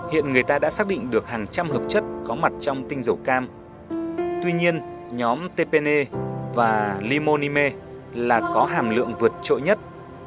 hiện người ta đã xác định được hàng trăm hợp chất có mặt trong tinh dầu cam tuy nhiên nhóm tpne và limonime là có hàm lượng vượt trội nhất